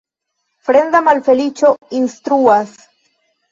Fremda malfeliĉo instruas.